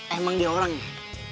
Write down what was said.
emang dia orang ya